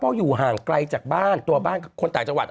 เพราะอยู่ห่างไกลจากบ้านตัวบ้านคนต่างจังหวัด